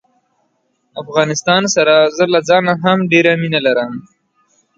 SeaWorld Orlando also comprises more than one park, alongside Aquatica and Discovery Cove.